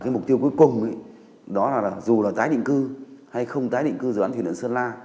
mục tiêu cuối cùng dù là tái định cư hay không tái định cư dự án thủy điện sơn la